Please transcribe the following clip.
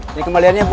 ini kembaliannya bu